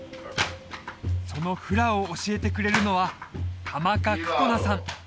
そのフラを教えてくれるのはカマカ・クコナさん